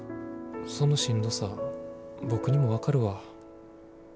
そのしんどさは僕にも分かるわ。